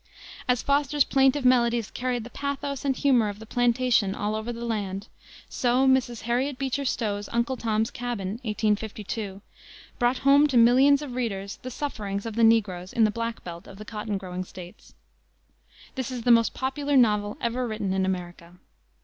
As Foster's plaintive melodies carried the pathos and humor of the plantation all over the land, so Mrs. Harriet Beecher Stowe's Uncle Tom's Cabin, 1852, brought home to millions of readers the sufferings of the negroes in the "black belt" of the cotton growing States. This is the most popular novel ever written in America.